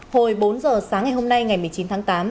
hồi bốn giờ sáng ngày hôm nay ngày một mươi chín tháng tám